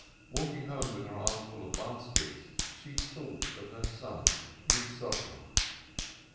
Walking home with her armful of baskets, she thought of her son Yitzchokel.